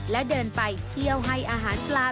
และเดินไปเที่ยวให้อาหารปลา